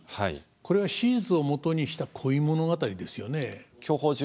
これは史実をもとにした恋物語ですよね。